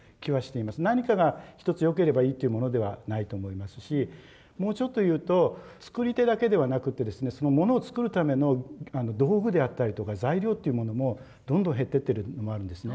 何かが一つよければいいというものではないと思いますしもうちょっと言うと作り手だけではなくてですねそのものを作るための道具であったりとか材料というものもどんどん減ってってるのもあるんですね。